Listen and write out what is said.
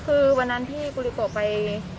คือวันนั้นที่ปูริโกไป